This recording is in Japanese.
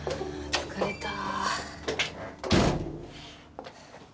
疲れた。